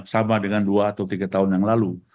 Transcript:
sama dengan dua atau tiga tahun yang lalu